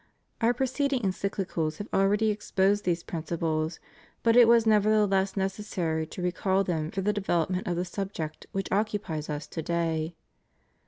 Our preceding EncycHcals have already exposed these principles, but it was nevertheless necessary to recall them for the development of the subject which occupies Us to day.